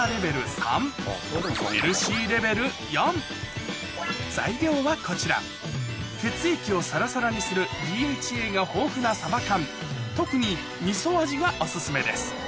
３ヘルシーレベル４材料はこちら血液をサラサラにするＤＨＡが豊富なサバ缶特にみそ味がお薦めです